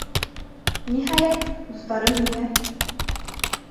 Ниһайәт, дуҫтарым миңә: